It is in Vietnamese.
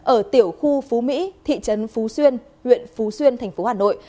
ở tiểu khu phú mỹ thị trấn phú xuyên huyện phú xuyên thành phố hà nội